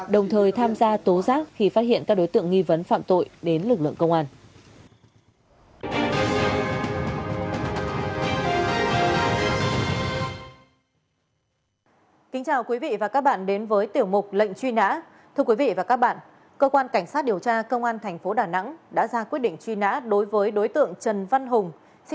đồng thời tham gia tố giác khi phát hiện các đối tượng nghi vấn phạm tội đến lực lượng công an